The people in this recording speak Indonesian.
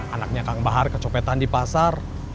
anaknya kang bahar kecopetan di pasar